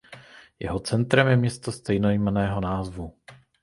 Jeho centrem je město stejnojmenného názvu.